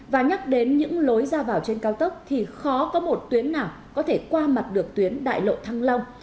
và nhắc đến những lối ra vào trên cao tốc thì khó có một tuyến nào có thể qua mặt được tuyến đại lộ thăng long